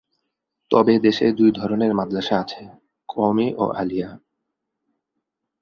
তবে দেশে দুই ধরনের মাদ্রাসা আছে: কওমি ও আলিয়া।